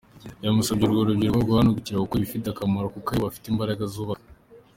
Yanasabye urwo rubyiruko guhagurukira gukora ibifite akamaro kuko aribo bafite imbaraga zubaka.